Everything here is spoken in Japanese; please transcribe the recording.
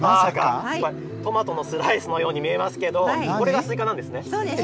トマトのスライスのように見えますけど、これがスイカなんでそうです。